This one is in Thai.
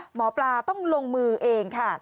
หมอปลาต้องลงมือเองค่ะ